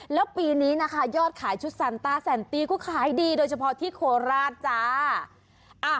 แล้วปีนี้นะคะยอดขายชุดซันต้าแซนตี้ก็ขายดีโดยเฉพาะที่โคราชจ้า